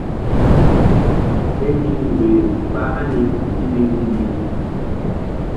Ke hi̧ nzukri mgba hani ndiɓi ndiɓi.